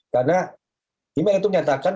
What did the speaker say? karena email itu menyatakan